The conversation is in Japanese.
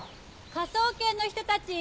科捜研の人たち？